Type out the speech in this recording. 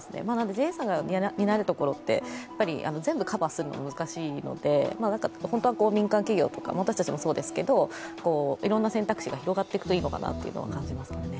ＪＡさんが担うところって全部カバーするのは難しいので本当は民間企業とか私たちもそうですけど、いろんな選択肢が広がっていくといいなと思いますね。